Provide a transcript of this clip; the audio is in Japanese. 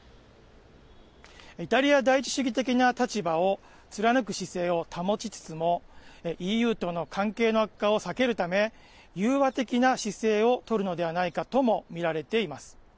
イタリア第一主義的な立場を貫く姿勢を保ちつつもＥＵとの関係の悪化を避けるため融和的な姿勢を取るのではないかとも見られています。